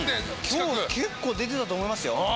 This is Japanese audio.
今日結構出てたと思いますよ。